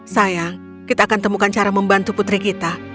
sayang kita akan temukan cara membantu putri kita